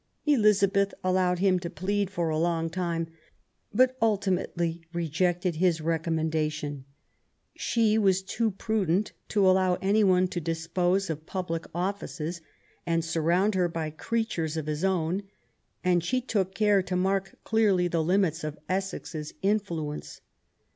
Elizabeth allowed him to plead for a long time, but ultimately rejected his recommendation. She was too prudent to allow any 276 QUEEN ELIZABETH. one to dispose of public offices and surround her by creatures of his own; and she took care to mark clearly the limits of Essex's influence.